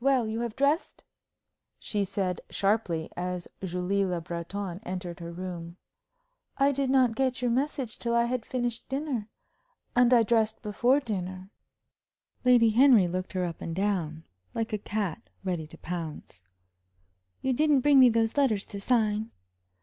"Well, you have dressed?" she said, sharply, as Julie Le Breton entered her room. "I did not get your message till I had finished dinner. And I dressed before dinner." Lady Henry looked her up and down, like a cat ready to pounce. "You didn't bring me those letters to sign?"